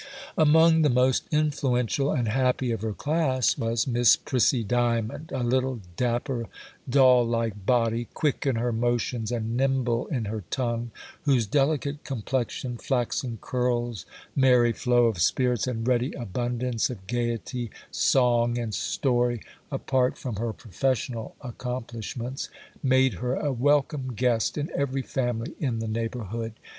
Among the most influential and happy of her class was Miss Prissy Diamond,—a little, dapper, doll like body, quick in her motions and nimble in her tongue, whose delicate complexion, flaxen curls, merry flow of spirits, and ready abundance of gaiety, song, and story, apart from her professional accomplishments, made her a welcome guest in every family in the neighbourhood.